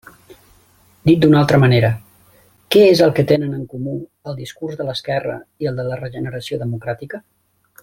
Dit d'una altra manera: ¿què és el que tenen en comú el discurs de l'esquerra i el de la regeneració democràtica?